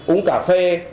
uống cà phê